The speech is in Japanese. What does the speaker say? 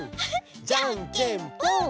じゃんけんぽん！